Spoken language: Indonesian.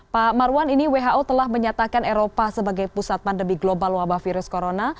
pak marwan ini who telah menyatakan eropa sebagai pusat pandemi global wabah virus corona